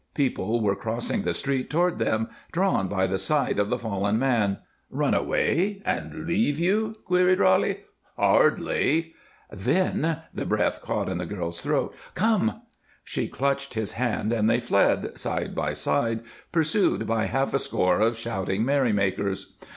People were crossing the street toward them, drawn by the sight of the fallen man. "Run away and leave you?" queried Roly. "Hardly!" "Then" the breath caught in the girl's throat "come!" She clutched his hand and they fled, side by side, pursued by half a score of shouting merrymakers.